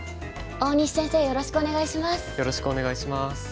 大西先生よろしくお願いします。